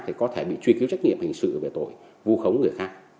thì có thể bị truy cứu trách nhiệm hình sự về tội vu khống người khác